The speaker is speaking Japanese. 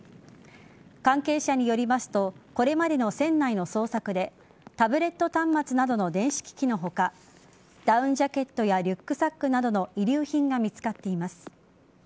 関係者によりますとこれまでの船内の捜索でタブレット端末などの電子機器の他ダウンジャケットやリュックサックなどの遺留品が見つかっています。